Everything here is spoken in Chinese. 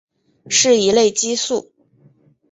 是一类激素。